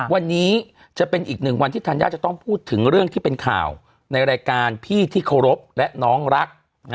วันนี้จะเป็นอีกหนึ่งวันที่ธัญญาจะต้องพูดถึงเรื่องที่เป็นข่าวในรายการพี่ที่เคารพและน้องรัก